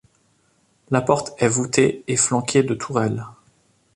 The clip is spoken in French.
La porte est voûtée et flanquée de tourelles.